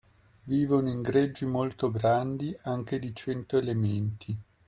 Vivono in greggi molto grandi anche di cento elementi.